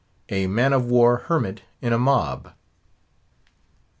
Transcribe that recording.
A MAN OF WAR HERMIT IN A MOB.